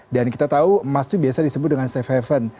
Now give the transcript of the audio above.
dan kita tahu emas itu biasa disebut dengan safe haven